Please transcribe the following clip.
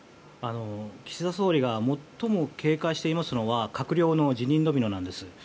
岸田総理が最も警戒していますのは閣僚の辞任ドミノなんです。